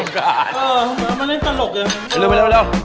กำกัดเลยไหม